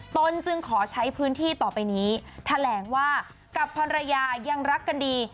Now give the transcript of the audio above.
ตนจึงขอใช้พื้นที่ต่อไปนี้แถลงว่ากับภรรยายังรักกันดี